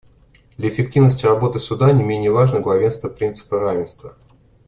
Для эффективности работы Суда не менее важно главенство принципа равенства.